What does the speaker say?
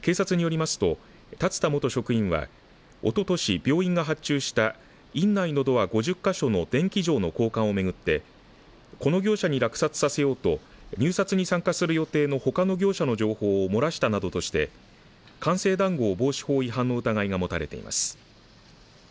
警察によりますと、龍田元職員はおととし、病院が発注した院内のドア、５０か所の電気錠の交換を巡ってこの業者に落札させようと入札に参加する予定のほかの業者の情報を漏らしたなどとして官製談合防止法違反の疑いで疑いが持たれています。